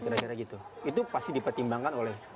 kira kira gitu itu pasti dipertimbangkan oleh